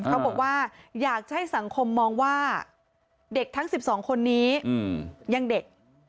เขาบอกว่าอยากจะให้สังคมมองว่าเด็กทั้ง๑๒คนนี้ยังเด็ก